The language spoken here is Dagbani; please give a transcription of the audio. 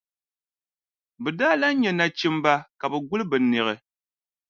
Bɛ daa lahi nya nachimba ka bɛ guli bɛ niɣi.